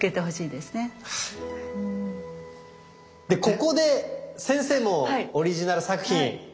でここで先生のオリジナル作品。